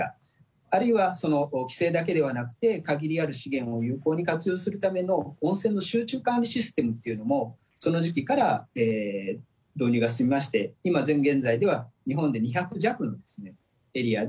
あるいは規制だけではなくて、限りある資源を有効に活用するための温泉の集中管理システムっていうのも、その時期から導入が進みまして、今、現在では２００弱のエリアで、